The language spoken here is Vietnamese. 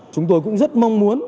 chúng tôi cũng rất mong muốn